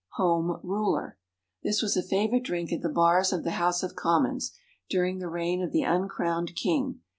Home Ruler. This was a favourite drink at the bars of the House of Commons, during the reign of the Uncrowned King.